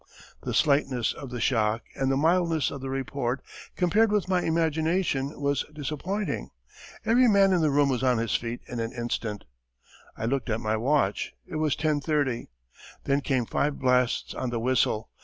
The slightness of the shock and the mildness of the report compared with my imagination was disappointing. Every man in the room was on his feet in an instant. I looked at my watch. It was 10.30. Then came five blasts on the whistle.